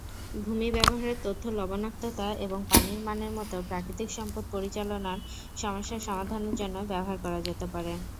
ভূমি ব্যবহারের তথ্য লবণাক্ততা এবং পানির মানের মতো প্রাকৃতিক সম্পদ পরিচালনার সমস্যার সমাধানের জন্য ব্যবহার করা যেতে পারে।